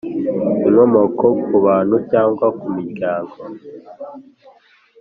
inkomoko ku bantu cyangwa ku miryango